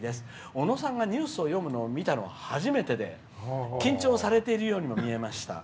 小野さんがニュースを読むのを見たのは初めてで緊張されているようにも見えました。